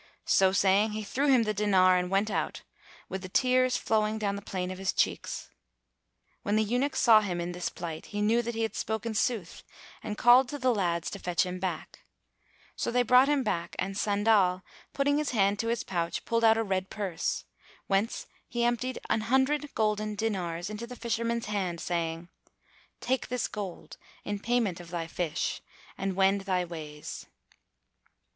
So saying, he threw him the dinar and went out, with the tears flowing down the plain of his cheeks. When the Eunuch saw him in this plight, he knew that he had spoken sooth and called to the lads to fetch him back: so they brought him back and Sandal, putting his hand to his pouch, pulled out a red purse, whence he emptied an hundred golden dinars into the Fisherman's hand, saying, "Take this gold in payment of thy fish and wend thy ways."